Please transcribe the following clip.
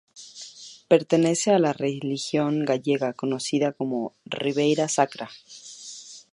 Pertenece a la región gallega conocida como Ribeira Sacra.